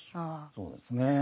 そうですね。